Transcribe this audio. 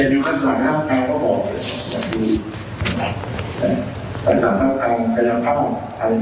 นี่คือแหลก๓แม่เทศไม่ได้มีความสนใจในเรื่องสร้างสรรค์สันวรรดาจริง